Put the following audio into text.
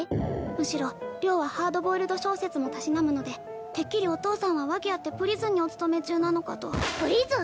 むしろ良はハードボイルド小説もたしなむのでてっきりお父さんは訳あってプリズンにお勤め中なのかとプリズン！